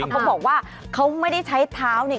เขาบอกว่าเขาไม่ได้ใช้เท้าเนี่ย